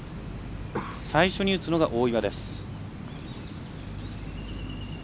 最初に打つのが大岩。